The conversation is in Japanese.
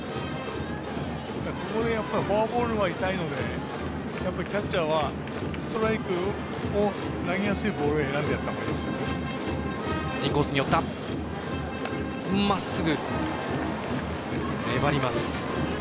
ここで、フォアボールは痛いのでやっぱり、キャッチャーはストライクを投げやすいボールを選んでやったほうがいいです。